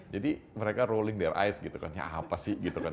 jadi mereka rolling their eyes gitu kan ya apa sih